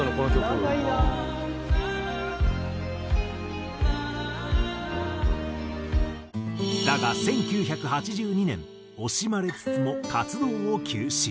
「長いな」「ｌａｌａｌａ」だが１９８２年惜しまれつつも活動を休止。